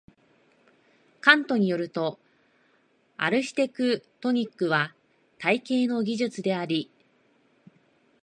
カントに依ると、アルヒテクトニックとは「体系の技術」であり、